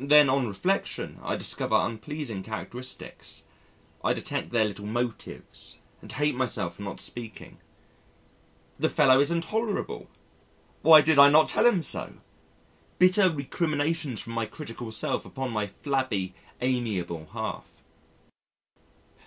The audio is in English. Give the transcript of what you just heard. Then, on reflection, I discover unpleasing characteristics, I detect their little motives, and hate myself for not speaking. The fellow is intolerable, why did I not tell him so? Bitter recriminations from my critical self upon my flabby amiable half.